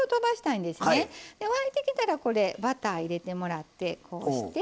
沸いてきたらバター入れてもらってこうして。